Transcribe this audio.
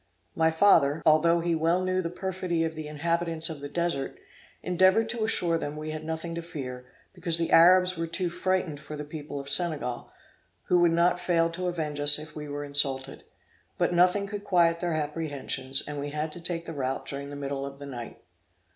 My father, although he well knew the perfidy of the inhabitants of the Desert, endeavored to assure them we had nothing to fear, because the Arabs were too frightened for the people of Senegal, who would not fail to avenge us if we were insulted; but nothing could quiet their apprehensions, and we had to take the route during the middle of the night.